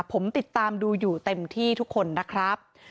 ผมติดตามดูอยู่เต็มที่ทุกคนนะครับ